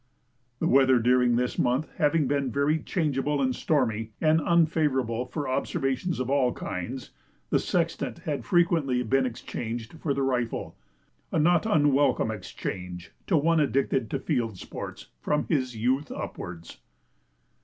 The weather during this month having been very changeable and stormy, and unfavourable for observations of all kinds, the sextant had frequently been exchanged for the rifle a not unwelcome exchange to one addicted to field sports "from his youth upwards."